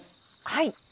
はい。